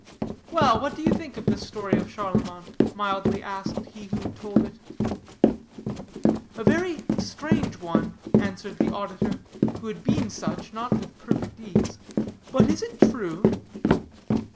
"Well, what do you think of the story of Charlemont?" mildly asked he who had told it. "A very strange one," answered the auditor, who had been such not with perfect ease, "but is it true?"